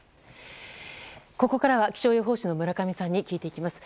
ここからは気象予報士の村上さんに聞いていきます。